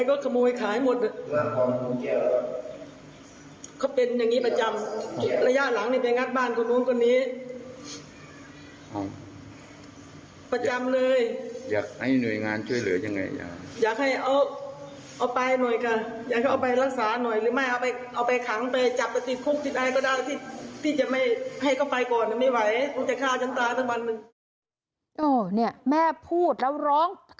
โอ้นี่แม่พูดแล้วร้องค์